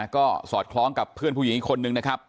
ก็สอดคล้องกับเพื่อนผู้หญิงอีกคนนึงนะครับ